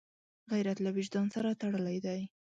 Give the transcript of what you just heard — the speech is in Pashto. غیرت له وجدان سره تړلی دی